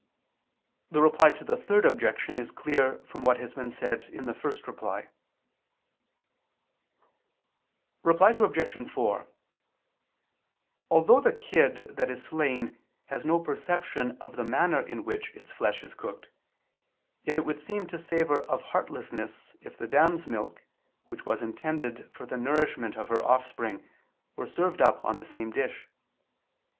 The Reply to the Third Objection is clear from what has been said (ad 1). Reply Obj. 4: Although the kid that is slain has no perception of the manner in which its flesh is cooked, yet it would seem to savor of heartlessness if the dam's milk, which was intended for the nourishment of her offspring, were served up on the same dish.